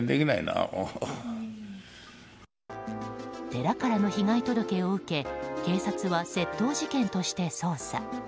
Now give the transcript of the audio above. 寺からの被害届を受け警察は窃盗事件として捜査。